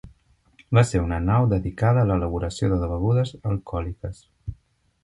Va ser una nau dedicada a l'elaboració de begudes alcohòliques.